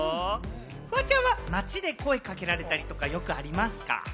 フワちゃんは街で声かけられたりとか、よくありますか？